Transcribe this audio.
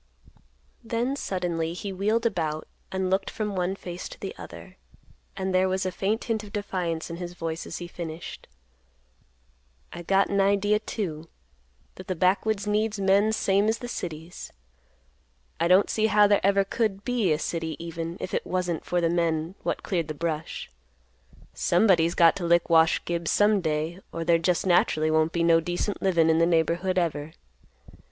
Then suddenly he wheeled about and looked from one face to the other; and there was a faint hint of defiance in his voice, as he finished; "I got an idea, too, that the backwoods needs men same as the cities. I don't see how there ever could be a city even, if it wasn't for the men what cleared the brush. Somebody's got to lick Wash Gibbs some day, or there just naturally won't be no decent livin' in the neighborhood ever."